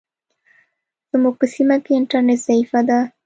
زموږ په سیمه کې انټرنیټ ضعیفه ده.